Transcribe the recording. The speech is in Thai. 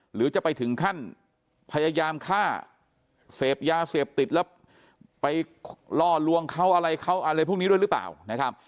หรือจะไปถึงขั้นพยายามฆ่าเสพยาเสพติดแล้วไปล่อลวงเขาอะไรเขาอะไรพวกนี้ด้วยหรือเปล่านะครับ